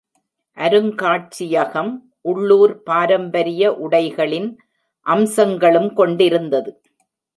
அருங்காட்சியகம் உள்ளூர் பாரம்பரிய உடைகளின் அம்சங்களும் கொண்டிருந்தது.